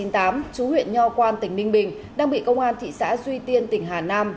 chú huyện nho quan tỉnh ninh bình đang bị công an thị xã duy tiên tỉnh hà nam